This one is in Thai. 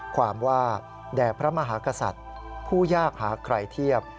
ความว่าแด่พระมหากษัตริย์ผู้ยากหาใครเทียบ